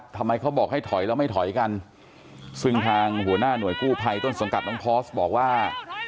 ทำไมเขาบอกให้ถอยแล้วไม่ถอยกันซึ่งทางหัวหน้าหน่วยกู้ภัยต้นสังกัดน้องพอสบอกว่า